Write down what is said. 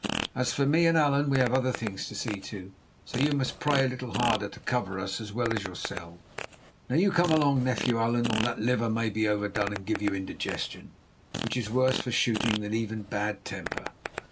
As for me and Allan, we have other things to see to, so you must pray a little harder to cover us as well as yourselves. Now you come along, nephew Allan, or that liver may be overdone and give you indigestion, which is worse for shooting than even bad temper.